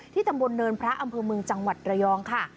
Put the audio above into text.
ตำบลเนินพระอำเภอเมืองจังหวัดระยองค่ะ